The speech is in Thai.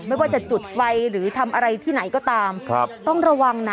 ไม่ว่าจะจุดไฟหรือทำอะไรที่ไหนก็ตามครับต้องระวังนะ